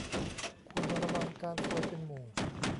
ควรระวังการซวยเป็นหมู่